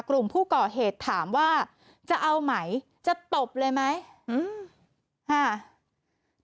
กลุ่มผู้ก่อเหตุถามว่าจะเอาไหมจะตบเลยไหมอืมค่ะ